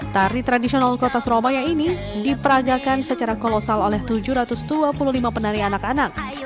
tari tradisional kota surabaya ini diperagakan secara kolosal oleh tujuh ratus dua puluh lima penari anak anak